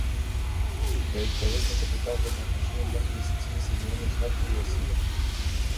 Да ведь полезный вклад в этом отношении могут внести и Соединенные Штаты и Россия.